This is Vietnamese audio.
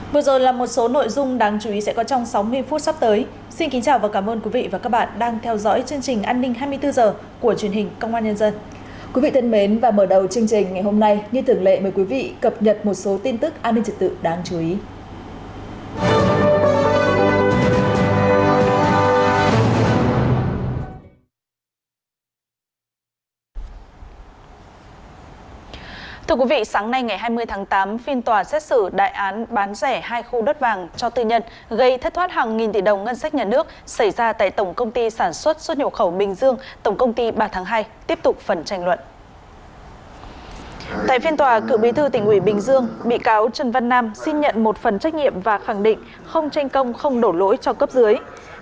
vừa rồi là một số nội dung đáng chú ý sẽ có trong sáu mươi phút sắp tới